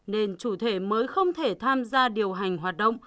nên chủ thể mới không thể tham gia điều hành hoạt động